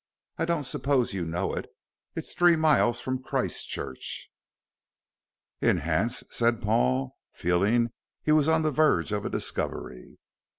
I don't suppose you'd know it. It's three miles from Christchurch." "In Hants," said Paul, feeling he was on the verge of a discovery.